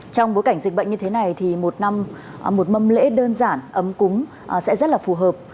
trong bối cảnh dịch bệnh như thế này thì một năm một mâm lễ đơn giản ấm cúng sẽ rất là phù hợp